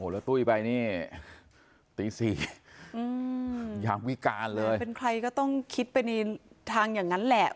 แล้วตุ้ยไปนี่ตีสี่อืมอยากวิการเลยเป็นใครก็ต้องคิดไปในทางอย่างนั้นแหละ